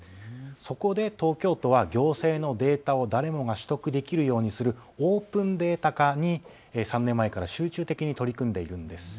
そこで東京都は行政のデータを誰もが取得できるようにするオープンデータ化に３年前から集中的に取り組んでいるんです。